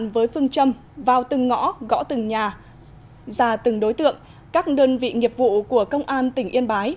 với phương châm vào từng ngõ gõ từng nhà ra từng đối tượng các đơn vị nghiệp vụ của công an tỉnh yên bái